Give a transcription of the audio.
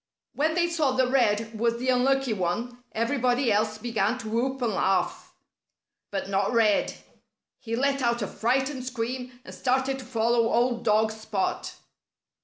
When they saw that Red was the unlucky one, everybody else began to whoop and laugh. But not Red! He let out a frightened scream and started to follow old dog Spot.